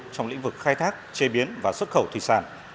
trong lĩnh vực khai thác chế biến và xuất khẩu thủy sản